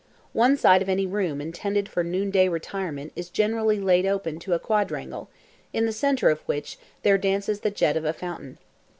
One side of any room intended for noonday retirement is generally laid open to a quadrangle, in the centre of which there dances the jet of a fountain.